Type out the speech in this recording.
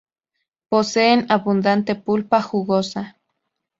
Poseen abundante pulpa jugosa.